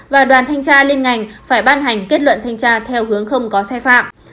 và đoàn thanh tra liên ngành phải ban hành kết luận thanh tra theo hướng không có sai phạm